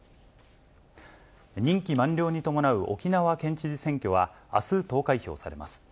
任期満了に伴う沖縄県知事選挙は、あす投開票されます。